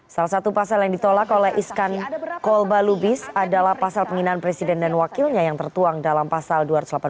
salah satu pasal yang ditolak oleh iskan kolbalubis adalah pasal penghinaan presiden dan wakilnya yang tertuang dalam pasal dua ratus delapan puluh